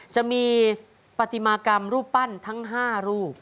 จะมีปฏิมากรรมรูปปั้นทั้ง๕รูป